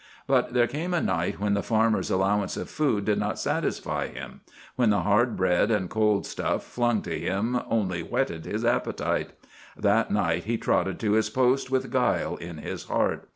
But there came a night when the farmer's allowance of food did not satisfy him; when the hard bread and cold stuff flung to him only whetted his appetite. That night he trotted to his post with guile in his heart.